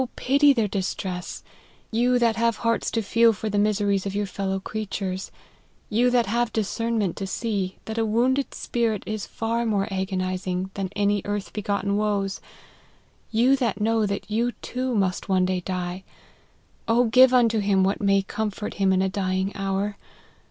pity their distress, you that have hearts to feel for the miseries of your fellow creatures ; you that have discernment to see, that a wounded spirit is far more agonizing than any earth begotten woes ; you that know that you too must one day die, give unto him what may com fort him in a dying hour.